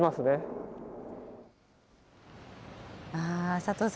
佐藤さん